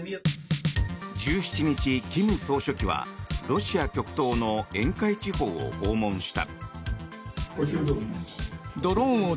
１７日、金総書記はロシア極東の沿海地方を訪問した。